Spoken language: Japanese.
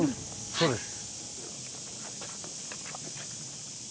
そうです。